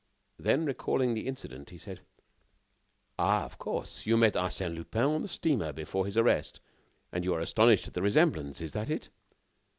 Then, recalling the incident, he said: "Ah! of course, you met Arsène Lupin on the steamer, before his arrest, and you are astonished at the resemblance. Is that it?"